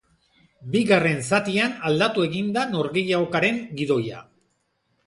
Bigarren zatian aldatu egin da norgehiagokaren gidoia.